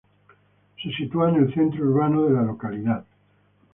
Se sitúa en el centro urbano de la localidad.